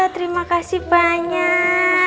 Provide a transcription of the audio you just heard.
terima kasih banyak